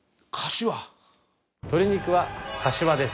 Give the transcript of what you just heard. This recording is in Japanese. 鶏肉はかしわです。